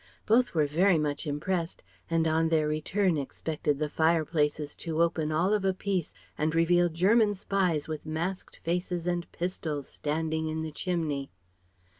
Both were very much impressed, and on their return expected the fireplaces to open all of a piece and reveal German spies with masked faces and pistols, standing in the chimney.